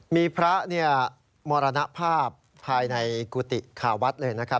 มีพระมรณภาพภายในกุฏิคาวัดเลยนะครับ